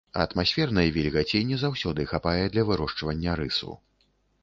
Атмасфернай вільгаці не заўсёды хапае для вырошчвання рысу.